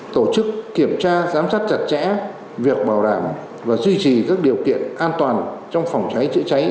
tổ chức kiểm tra giám sát chặt chẽ việc bảo đảm và duy trì các điều kiện an toàn trong phòng cháy chữa cháy